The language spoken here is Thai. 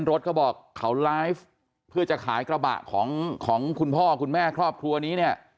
รถเขาบอกเขาไลฟ์เพื่อจะขายกระบะของคุณพ่อคุณแม่ครอบครัวนี้เนี่ย